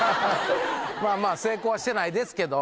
まぁまぁ成功はしてないですけど。